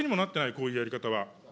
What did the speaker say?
こういうやり方は。